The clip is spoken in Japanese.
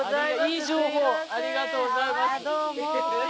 いい情報ありがとうございます。